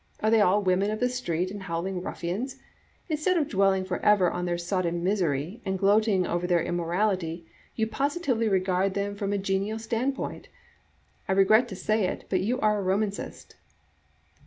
Are they all women of the street and howling ruffians? Instead of dwelling forever on their sodden misery, and gloating over their immorality, you positively regard them from a genial standpoint. I regret, to have to say it, but you are a Romancist."